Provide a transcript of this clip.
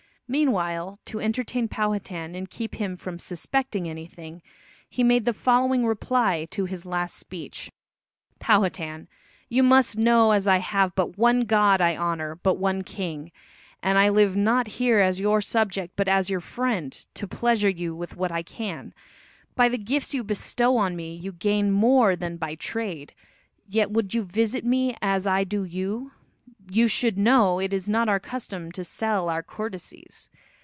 Meanwhile, to entertain Powhatan and keep him from suspecting anything, he made the following reply to his last speech: "Powhatan, you must know as I have but one God I honour but one king, and I live not here as your subject, but as your friend, to pleasure you with what I can. By the gifts you bestow on me you gain more than by trade, yet would you visit me as I do you, you should know it is not our custom to sell our courtesies.